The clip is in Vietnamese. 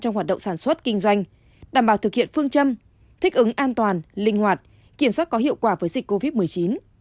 trong hoạt động sản xuất kinh doanh đảm bảo thực hiện phương châm thích ứng an toàn linh hoạt kiểm soát có hiệu quả với dịch covid một mươi chín